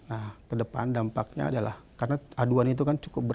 nah ke depan dampaknya adalah karena aduan itu kan cukup berat